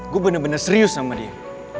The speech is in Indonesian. gue benar benar serius sama dia